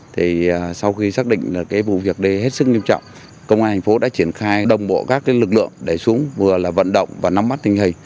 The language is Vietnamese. thì sau khi xác định cái vụ việc hết sức nghiêm trọng công an thành phố đã triển khai đồng bộ các lực lượng để xuống vừa là vận động và nắm mắt tình hình